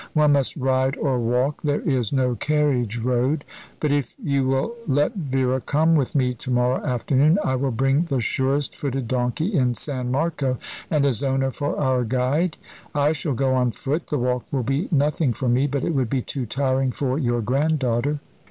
One must ride or walk. There is no carriage road; but if you will let Vera come with me to morrow afternoon, I will bring the surest footed donkey in San Marco, and his owner for our guide. I shall go on foot. The walk will be nothing for me; but it would be too tiring for your granddaughter."